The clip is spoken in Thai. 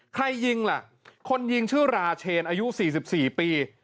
ใครยิงล่ะคนยิงชื่อราเชนอายุ๔๔ปี